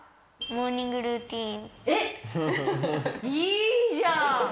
いいじゃん。